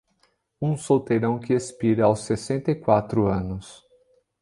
Um solteirão que expira aos sessenta e quatro anos